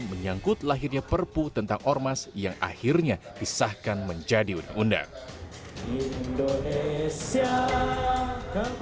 menyangkut lahirnya perpu tentang ormas yang akhirnya disahkan menjadi undang undang